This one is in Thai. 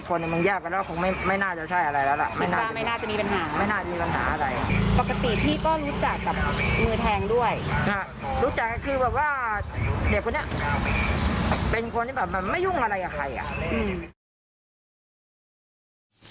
คิดว่าว่าเด็กคนนี้เป็นคนที่แบบไม่ยุ่งอะไรอ่ะใครอ่ะอืม